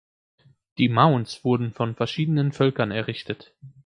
Die Mounds wurden von verschiedenen Völkern errichtet.